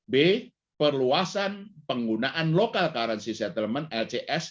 b perluasan penggunaan local currency settlement lcs